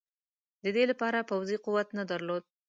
د دې لپاره پوځي قوت نه درلود.